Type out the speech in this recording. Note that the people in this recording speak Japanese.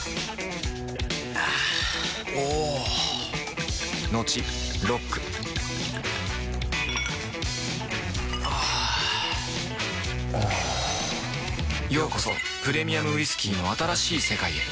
あぁおぉトクトクあぁおぉようこそプレミアムウイスキーの新しい世界へ